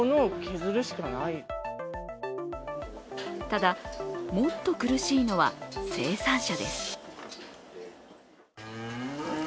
ただもっと苦しいのは、生産者です。